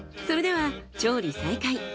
それでは調理再開。